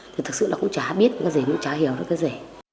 thì thật sự là cũng chả biết cái gì cũng chả hiểu cái gì